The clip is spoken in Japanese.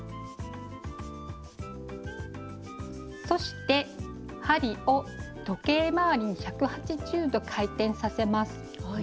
そして針を時計回りに１８０度回転させます。